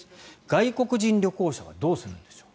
外国人旅行者はどうするんでしょう。